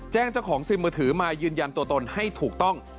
เจ้าของซิมมือถือมายืนยันตัวตนให้ถูกต้อง